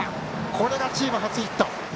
これがチーム初ヒット。